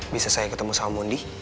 bisa saya ketemu sama mondi